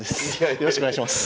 よろしくお願いします。